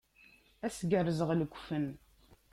Ad s-gerrzeɣ lekfen.